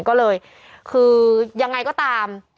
ก็เลยคือยังไงก็ตาม